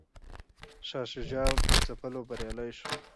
شاه شجاع په ځپلو بریالی شو.